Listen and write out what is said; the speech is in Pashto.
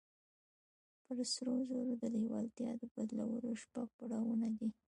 پر سرو زرو د لېوالتیا د بدلولو شپږ پړاوونه دي.